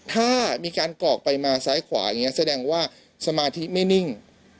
ถ้ามีการกรอกไปมาซ้ายขวาอย่างนี้แสดงว่าสมาธิไม่นิ่ง